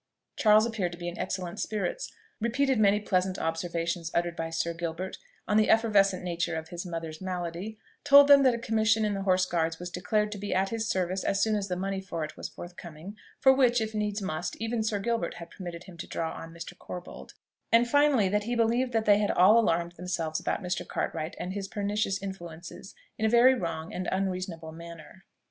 Charles appeared to be in excellent spirits; repeated many pleasant observations uttered by Sir Gilbert on the effervescent nature of his mother's malady; told them that a commission in the Horse Guards was declared to be at his service as soon as the money for it was forthcoming, for which, if needs must, even Sir Gilbert had permitted him to draw on Mr. Corbold; and finally, that he believed they had all alarmed themselves about Mr. Cartwright and his pernicious influences in a very wrong and unreasonable manner.